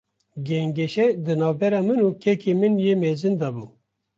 Gengeşe, di navbera min û kekê min yê mezin de bû